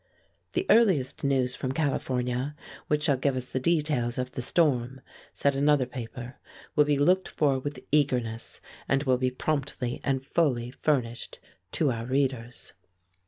"The earliest news from California, which shall give us the details of the storm," said another paper, "will be looked for with eagerness, and will be promptly and fully furnished to our readers."